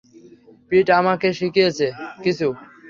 পিট আপনাকে শিখিয়েছে কিছু?